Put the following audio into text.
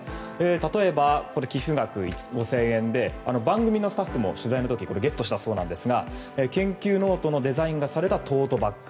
例えば寄付額５０００円で番組のスタッフも取材の時ゲットしたそうですが研究ノートのデザインがされたトートバッグ。